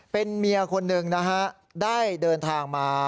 เป็นเมียคนหนึ่งนะฮะได้เดินทางมา